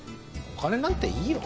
お金なんていいよ。